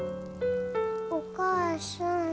お母さん。